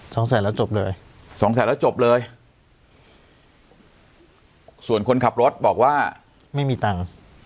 สองแสนแล้วจบเลยสองแสนแล้วจบเลยส่วนคนขับรถบอกว่าไม่มีตังค์